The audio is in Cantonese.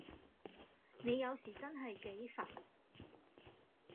你有時真係幾煩